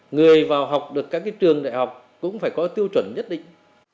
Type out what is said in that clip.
người vào học được các trường đại học cũng phải có tiêu chuẩn nhất định